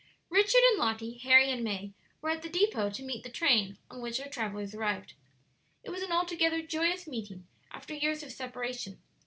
Richard and Lottie, Harry and May were at the depot to meet the train on which our travellers arrived. It was an altogether joyous meeting, after years of separation.